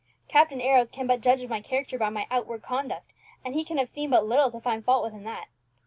"Captain Arrows can but judge of my character by my outward conduct, and he can have seen but little to find fault with in that.